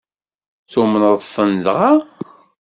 Tumneḍ-ten dɣa?